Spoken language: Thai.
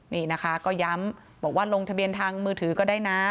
นี่นะคะก็ย้ำบอกว่าลงทะเบียนทางมือถือก็ได้นะ